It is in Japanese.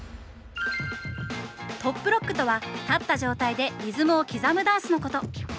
トップロックとは立った状態でリズムを刻むダンスのこと。